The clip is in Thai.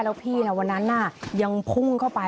แล้วพี่วันนั้นยังพุ่งเข้าไป